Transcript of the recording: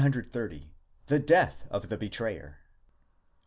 ®§ 120. THE DEATH OF THE BETRAYER.